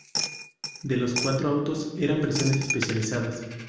Dos de los cuatro autos eran versiones especializadas.